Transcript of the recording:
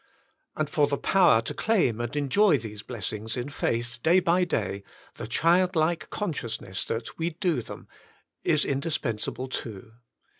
And for the power to claim and enjoy* these blessings in faith day by day, the childlike consciousness that we do keep them is indispen sable too.